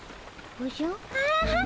おじゃ！